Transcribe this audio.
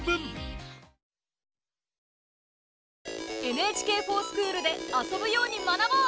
「ＮＨＫｆｏｒＳｃｈｏｏｌ」で遊ぶように学ぼう！